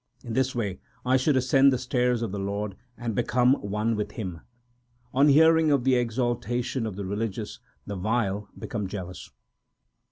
In this way I should ascend the stairs of the Lord, and become one with Him. On hearing of the exaltation of the religious the vile become jealous.